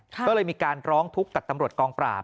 ก็เลยมีการร้องทุกข์กับตำรวจกองปราบ